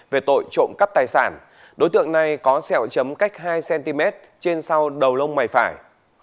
về tội trộm cắp tài sản đối tượng này có sẹo chấm cách hai cm trên sau đầu lông mày phải